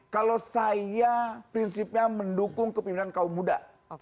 kalau saya prinsipnya mendukung kepimpinan kaum muda